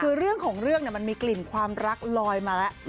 คือเรื่องของเรื่องมันมีกลิ่นความรักลอยมาแล้ว